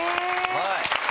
はい！